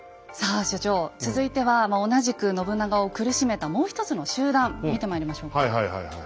さあ所長続いては同じく信長を苦しめたもうひとつの集団見てまいりましょうか。